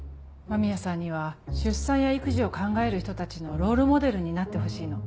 間宮さんには出産や育児を考える人たちのロールモデルになってほしいの。